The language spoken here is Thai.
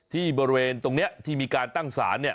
ที่บริเวณตรงนี้ที่มีการตั้งสาร